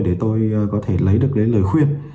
để tôi có thể lấy được lời khuyên